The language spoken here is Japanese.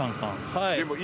はい。